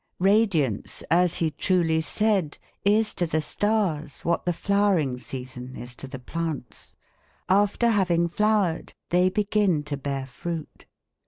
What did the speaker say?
Radiance, as he truly said, is to the stars what the flowering season is to the plants. After having flowered, they begin to bear fruit.